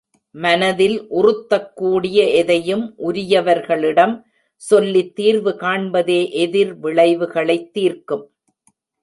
மனதில் உறுத்தக் கூடிய எதையும் உரியவர்களிடம் சொல்லித் தீர்வு காண்பதே எதிர் விளைவு களைத் தீர்க்கும்.